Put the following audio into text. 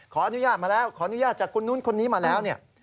ขออนุญาตมาแล้วขออนุญาตจากคนนู้นคนนี้มาแล้วเนี่ย